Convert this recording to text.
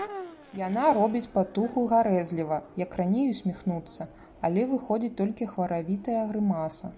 Яна робіць патугу гарэзліва, як раней, усміхнуцца, але выходзіць толькі хваравітая грымаса.